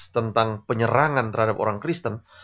tentang penyerangan terhadap orang kristen